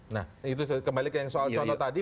nah itu kembali ke yang soal contoh tadi